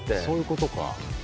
そういうことか。